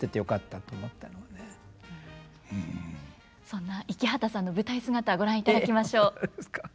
そんな池畑さんの舞台姿ご覧いただきましょう。